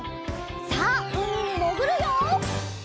さあうみにもぐるよ！